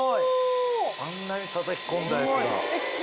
あんなにたたき込んだやつが。